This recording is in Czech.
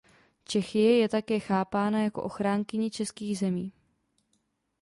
Čechie je také chápána jako ochránkyně českých zemí.